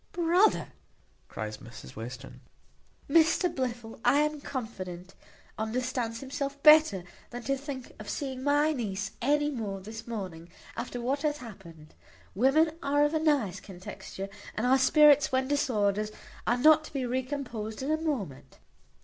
"Brother," cries Mrs Western, "Mr Blifil, I am confident, understands himself better than to think of seeing my niece any more this morning, after what hath happened. Women are of a nice contexture; and our spirits, when disordered, are not to be recomposed in a moment.